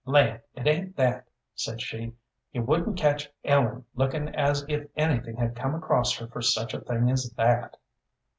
"Land, it ain't that," said she. "You wouldn't catch Ellen lookin' as if anything had come across her for such a thing as that."